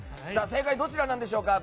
正解はどちらなんでしょうか。